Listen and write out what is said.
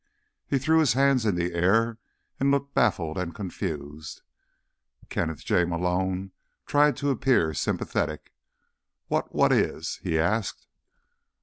He threw his hands in the air and looked baffled and confused. Kenneth J. Malone tried to appear sympathetic. "What what is?" he asked.